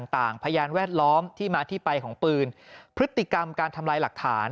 พยานแวดล้อมที่มาที่ไปของปืนพฤติกรรมการทำลายหลักฐาน